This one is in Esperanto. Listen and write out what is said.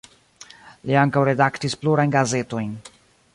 Li ankaŭ redaktis plurajn gazetojn.